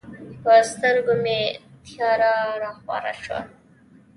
په سترګو مې تیاره راخوره شوه.